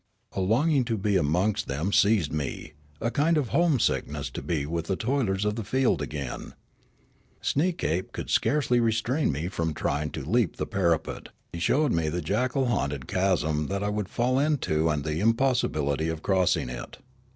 A longing to be amongst them seized me, a kind of homesickness to be with the toilers of the field again. Sneekape could scarcely restrain me from trying to leap the parapet ; he showed me the jackal haunted chasm that I would fall into and the impossibility of crossing it.